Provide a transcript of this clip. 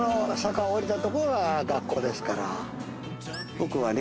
僕はね。